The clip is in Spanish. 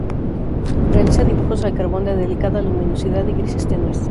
Realiza dibujos al carbón de delicada luminosidad y grises tenues.